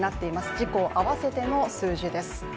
自・公合わせての数字です。